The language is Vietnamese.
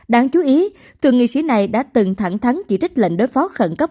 đáng chú ý từng nghị sĩ này đã từng thẳng thắng chỉ trích lệnh đối phó khẩn cấp